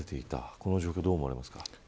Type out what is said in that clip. この状況どう思われますか。